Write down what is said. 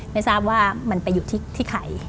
ไม่ทราบว่ามันไปอยู่ที่ใคร